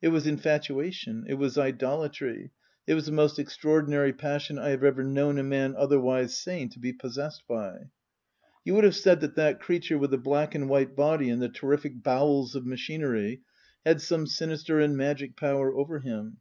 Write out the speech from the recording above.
It was infatuation ; it was idolatry ; it was the most extraordinary passion I have ever known a man otherwise sane to be possessed by. You would have said that that creature with the black and white body and the terrific bowels of machinery had some sinister and magic power over him.